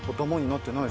なってない。